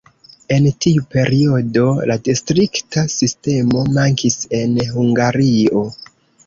En tiu periodo la distrikta sistemo mankis en Hungario.